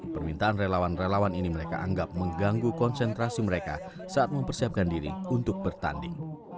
permintaan relawan relawan ini mereka anggap mengganggu konsentrasi mereka saat mempersiapkan diri untuk bertanding